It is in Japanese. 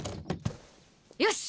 よし！